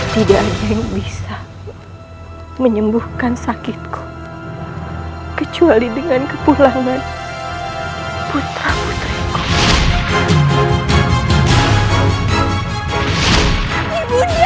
kau bisa mengalahkan kami